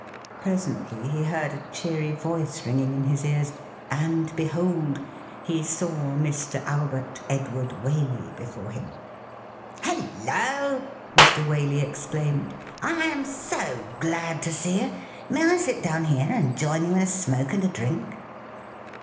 Presently he heard a cheery voice ringing in his ears, and, behold ! he saw Mr. Albert Edward Waley before him. ' Hello !' Mr. Waley exclaimed. ' I am so glad to see you. May I sit down here and join you in a smoke and a drink